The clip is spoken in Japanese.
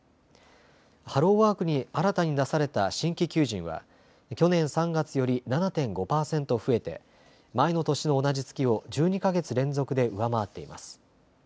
ハローワークに新たに出された新規求人は去年３月より７．５％増えて前の年の同じ月を１２か月連続で上回っています。